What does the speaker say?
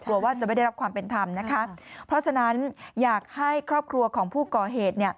กลัวว่าจะไม่ได้รับความเป็นธรรมนะคะเพราะฉะนั้นอยากให้ครอบครัวของผู้ก่อเหตุ